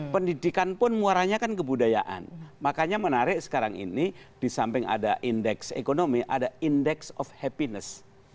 pendidikan pun muaranya kan kebudayaan makanya menarik sekarang ini di samping ada indeks ekonomi ada index of happiness